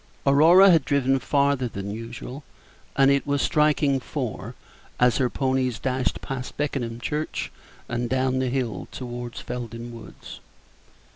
Aurora had driven farther than usual, and it was striking four as her ponies dashed past Beckenham church and down the hill toward Felden Woods.